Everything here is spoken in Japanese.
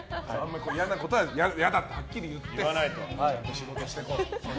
嫌なことは嫌だってはっきり言って、仕事してこう。